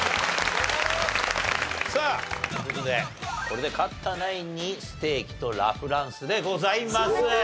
さあという事でこれで勝ったナインにステーキとラ・フランスでございます。